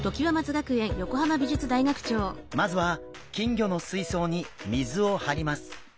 まずは金魚の水槽に水を張ります。